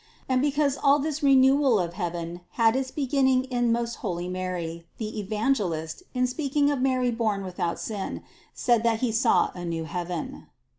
And because all this renewal of heaven had its beginning in most holy Mary, the Evangelist, in speaking of Mary born without sin, said that he saw a new heaven.